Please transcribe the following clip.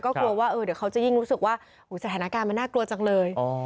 กลัวว่าเดี๋ยวเขาจะยิ่งรู้สึกว่าสถานการณ์มันน่ากลัวจังเลย